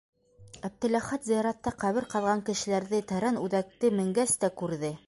Әптеләхәт зыяратта ҡәбер ҡаҙған кешеләрҙе тәрән үҙәкте менгәс тә күрҙе.